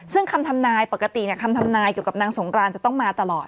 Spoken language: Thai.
ซึ่งคำทำนายปกติคำทำนายเกี่ยวกับนางสงกรานจะต้องมาตลอด